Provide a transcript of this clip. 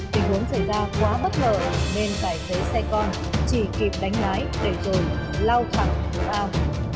tình huống xảy ra quá bất ngờ nên cải xế xe con chỉ kịp đánh lái để rồi lau thẳng vào